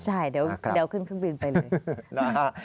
ใช่เดี๋ยวขึ้นขึ้นบิลไปเลย